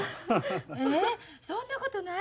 えっそんなことない。